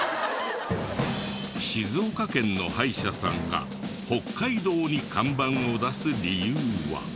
静岡県の歯医者さんが北海道に看板を出す理由は。